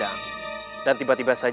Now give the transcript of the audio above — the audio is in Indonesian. tidak ada siapa yang bisa memberi perhatian